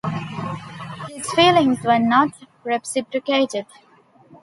His feelings were not reciprocated.